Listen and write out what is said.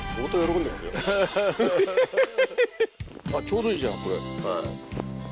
ちょうどいいじゃんこれ。